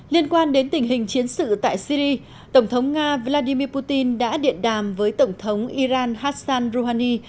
liên quan đến tình hình chiến sự tại syri tổng thống nga vladimir putin đã điện đàm với tổng thống iran hassan rouhani